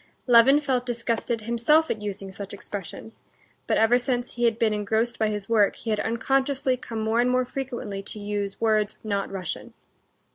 (Levin felt disgusted himself at using such expressions, but ever since he had been engrossed by his work, he had unconsciously come more and more frequently to use words not Russian.)